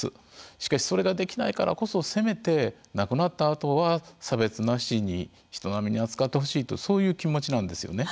しかし、それができないからこそせめて亡くなったあとは差別なしに人並みに扱ってほしいとそういう気持ちなんですよね。